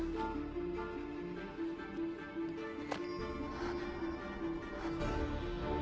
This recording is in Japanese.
あっ。